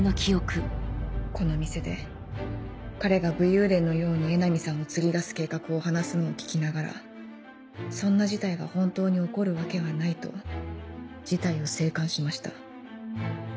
この店で彼が武勇伝のように江波さんを釣り出す計画を話すのを聞きながら「そんな事態が本当に起こるわけはない」と事態を静観しました。